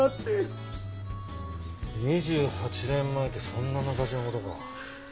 ２８年前ってそんな昔の事か。